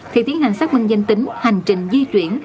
thì tiến hành xác minh danh tính hành trình di chuyển